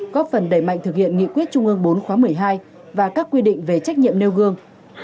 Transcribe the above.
góp phần đẩy mạnh thực hiện nghị quyết trung ương bốn khóa một mươi hai và các quy định về trách nhiệm nêu gương